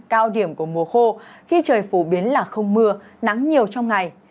cao điểm của mùa khô khi trời phổ biến là không mưa nắng nhiều trong ngày